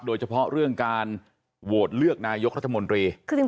โดยเฉพาะเรื่องการโหวตเลือกนายกรัฐมนตรี